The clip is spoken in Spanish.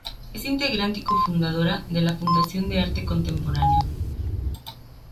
Es integrante y cofundadora de la Fundación de Arte Contemporáneo.